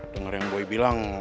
dengar yang boi bilang